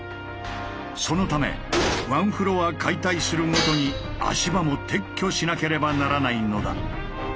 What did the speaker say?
そのためワンフロア解体するごとに足場も撤去しなければならないのだ。